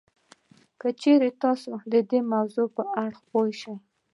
که چېرې تاسې د موضوع په هر اړخ پوه شئ